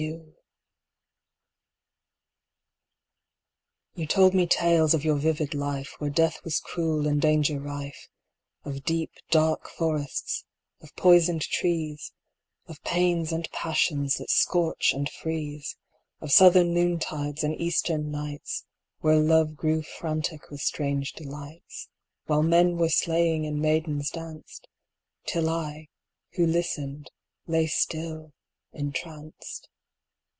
You told me tales of your vivid life Where death was cruel and danger rife Of deep dark forests, of poisoned trees, Of pains and passions that scorch and freeze, Of southern noontides and eastern nights, Where love grew frantic with strange delights, While men were slaying and maidens danced, Till I, who listened, lay still, entranced.